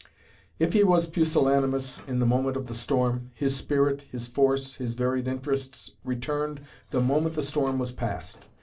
If he was pusillanimous in the moment of the storm, his spirit, his force, his varied interests, returned the moment the storm was past.